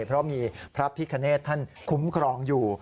เพราะมีพระพิคเนธท่านคุ้มครองอยู่